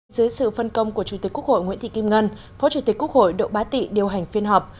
dưới sự phân công của chủ tịch quốc hội nguyễn thị kim ngân phó chủ tịch quốc hội độ bá tị điều hành phiên họp